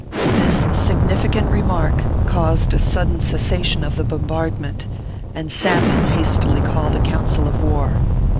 This significant remark caused a sudden cessation of the bombardment, and Samyule hastily called a council of war.